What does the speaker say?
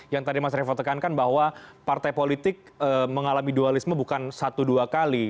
yang tadi mas revo tekankan bahwa partai politik mengalami dualisme bukan satu dua kali